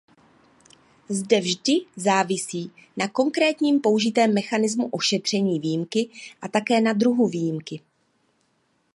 Zde vždy závisí na konkrétním použitém mechanismu ošetření výjimky a také na druhu výjimky.